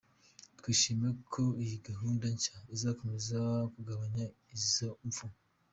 Twishimiye ko iyi gahunda nshya izakomeza kugabanya izo mfu.